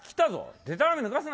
でたらめぬかすな。